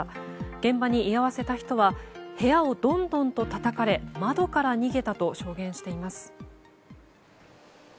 現場に居合わせた人は部屋をどんどんとたたかれ窓から逃げたと証言しています。